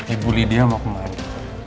ibu lydia mau kemana